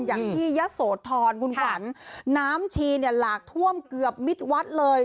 อย่างที่ยะโสธรคุณขวัญน้ำชีเนี่ยหลากท่วมเกือบมิดวัดเลย